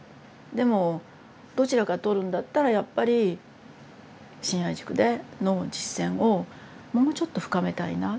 でもどちらかとるんだったらやっぱり信愛塾での実践をもうちょっと深めたいな。